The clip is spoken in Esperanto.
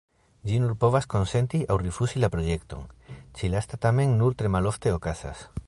Ĝi nur povas konsenti aŭ rifuzi la projekton; ĉi-lasta tamen nur tre malofte okazas.